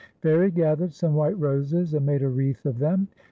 Fairie gathered some white roses, and made a wreath of them.